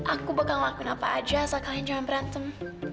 aku bakal lakuin apa aja asal kalian jangan berantem